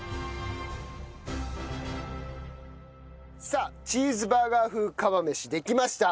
さあチーズバーガー風釜飯できました。